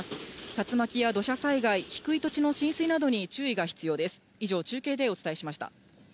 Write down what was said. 竜巻や土砂災害、低い土地の浸水などに注意が必要です。